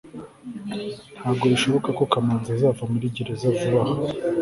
ntabwo bishoboka ko kamanzi azava muri gereza vuba aha